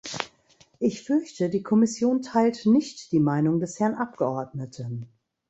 Ich fürchte, die Kommission teilt nicht die Meinung des Herrn Abgeordneten.